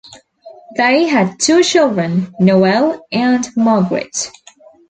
They had two children, Noel and Margaret.